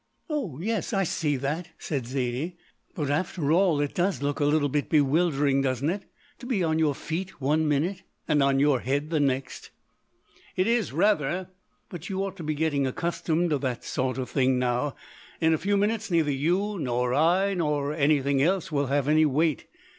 "Oh yes, I see that," said Zaidie, "but after all it does look a little bit bewildering, doesn't it, to be on your feet one minute and on your head the next?" "It is, rather; but you ought to be getting accustomed to that sort of thing now. In a few minutes neither you, nor I, nor anything else will have any weight.